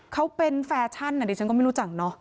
เขาเป็นแฟชั่นดิฉันก็ไม่รู้จักเนอะ